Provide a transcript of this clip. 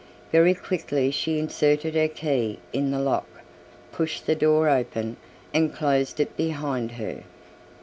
Very quickly she inserted her key in the lock, pushed the door open and closed it behind her.